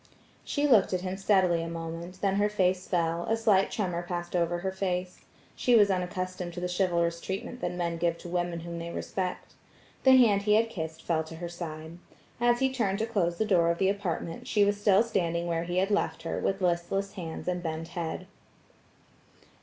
She looked at him steadily a moment, then her face fell; a slight tremor passed over her face; she was unaccustomed to the chivalrous treatment that men give to women whom they respect. The hand he had kissed fell to her side. As he turned to close the door of the apartment, she was still standing where he had left her, with listless hands and bent head.